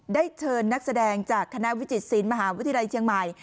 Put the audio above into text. ได้เชิญนักแสดงจากคณะวิจิตศีลมหาวิทยาลัยเชียงใหม่